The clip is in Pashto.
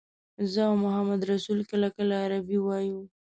زه او محمدرسول کله کله عربي وایو.